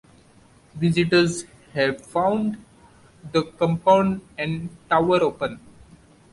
Visitors have found the compound and tower open.